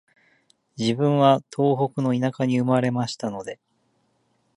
自分は東北の田舎に生まれましたので、